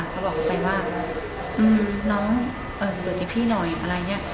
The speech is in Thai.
เขาบอกเขาไปว่าน้องเปิดให้พี่หน่อยอะไรอย่างนี้